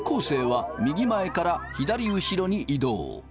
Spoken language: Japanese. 生は右前から左後ろに移動。